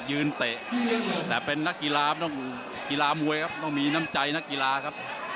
เตะแต่เป็นนักกีฬาต้องกีฬามวยครับต้องมีน้ำใจนักกีฬาครับ